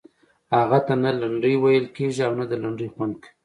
هغه ته نه لنډۍ ویل کیږي او نه د لنډۍ خوند کوي.